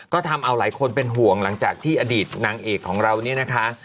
ก็ทำเอาหลายคนเป็นห่วงหลังจากที่อดีตนางเอกของเราเนี่ยนะคะ